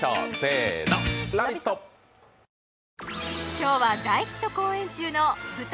今日は大ヒット公演中の舞台